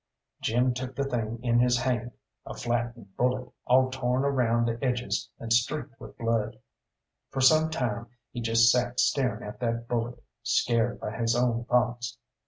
Jim took the thing in his hand a flattened bullet, all torn around the edges and streaked with blood. For some time he just sat staring at that bullet, scared by his own thoughts.